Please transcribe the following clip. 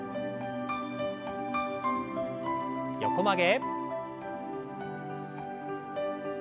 横曲げ。